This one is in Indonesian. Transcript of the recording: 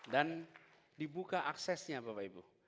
dan dibuka aksesnya bapak ibu